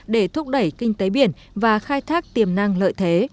để thúc đẩy kinh tế biển và khai thác tiềm năng lợi thế